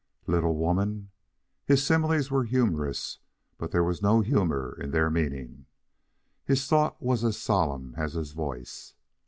"Little woman." His similes were humorous, but there was no humor in their meaning. His thought was as solemn as his voice.